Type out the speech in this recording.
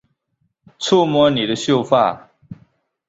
触摸你的秀发